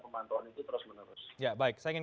pemantauan itu terus menerus ya baik saya ingin